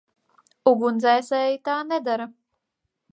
Ugunsdzēsēji tā nedara.